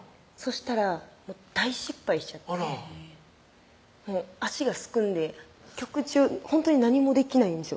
したら大失敗しちゃってあらもう足がすくんで曲中ほんとに何もできないんです